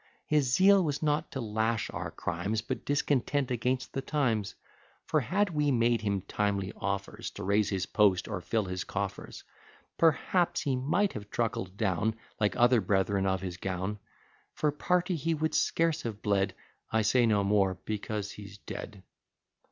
His zeal was not to lash our crimes, But discontent against the times: For had we made him timely offers To raise his post, or fill his coffers, Perhaps he might have truckled down, Like other brethren of his gown. For party he would scarce have bled: I say no more because he's dead.